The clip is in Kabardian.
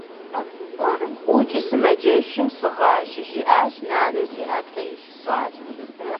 - ӀукӀи сымаджэщым сыгъашэ! - жиӀащ нанэр зи ӀэплӀэ илъ щӀалэм.